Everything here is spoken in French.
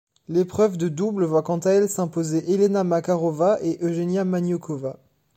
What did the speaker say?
L'épreuve de double voit quant à elle s'imposer Elena Makarova et Eugenia Maniokova.